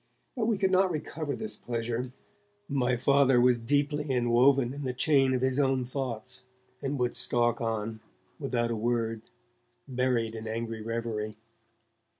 But we could not recover this pleasure. My Father was deeply enwoven in the chain of his own thoughts, and would stalk on, without a word, buried in angry reverie.